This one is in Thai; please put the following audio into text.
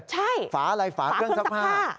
ใช่ฝาเครื่องซักผ้า